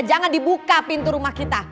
jangan dibuka pintu rumah kita